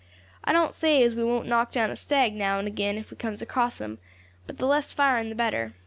I don't say as we won't knock down a stag, now and agin, if we comes across 'em, but the less firing the better.